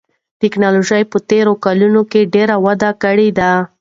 تکنالوژي په تېرو کلونو کې ډېره وده کړې ده.